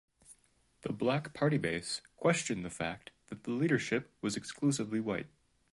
The black party base questioned the fact that the leadership was exclusively white.